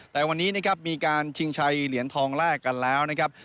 แต่วันนี้นะครับมีการชิงชัยเหรียญทองแรกกันแล้วนะครับ